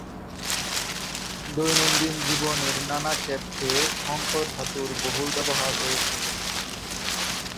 দৈনন্দিন জীবনের নানা ক্ষেত্রে সংকর ধাতুর বহুল ব্যবহার রয়েছে।